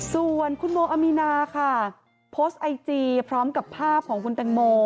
ส่วนคุณโมอามีนาค่ะโพสต์ไอจีพร้อมกับภาพของคุณแตงโม